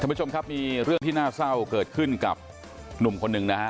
ผู้ชมครับมีเรื่องที่น่าเศร้าเกิดขึ้นกับหนุ่มคนหนึ่งนะฮะ